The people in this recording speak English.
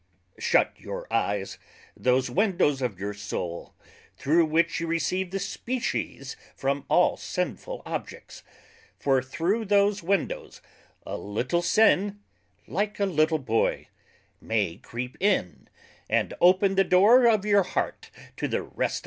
_ Shut your Eyes, those Windows of your Soul, through which you receive the Species from all sinful Objects; for, through those windows a little sin (like a little Boy) may creep in, and open the Door of your Heart to the rest.